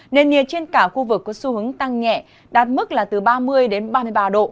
nền nhiệt trên cả khu vực có xu hướng tăng nhẹ đạt mức là từ ba mươi đến ba mươi ba độ